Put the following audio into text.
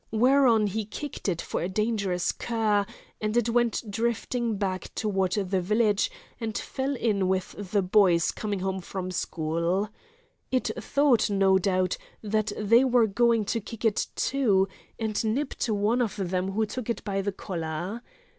Whereon he kicked it for a dangerous cur, and it went drifting back toward the village, and fell in with the boys coming home from school. It thought, no doubt, that they were going to kick it too, and nipped one of them who took it by the collar.